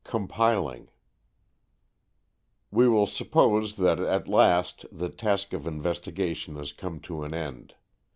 III COMPILING We will suppose that at last the task of investigation has come to an end.